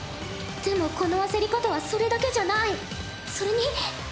でもこの焦り方はそれだけじゃない。